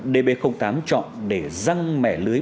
db tám chọn để răng mẻ lưới